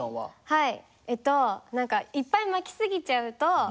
はい。